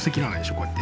こうやって。